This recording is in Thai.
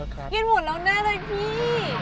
กินหมดแล้วแน่เลยพี่